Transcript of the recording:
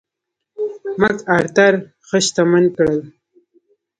مک ارتر ښه شتمن کړل.